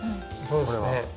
そうですね。